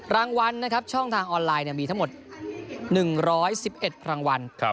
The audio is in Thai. รางวัลนะครับช่องทางออนไลน์มีทั้งหมด๑๑๑รางวัล